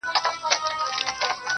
o گراني خبري سوې د وخت ملكې .